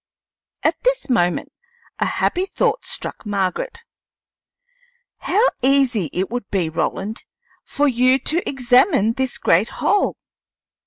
At this moment a happy thought struck Margaret. "How easy it would be, Roland, for you to examine this great hole!